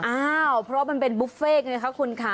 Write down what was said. อ้าวเพราะมันเป็นบุฟเฟ่ไงคะคุณค่ะ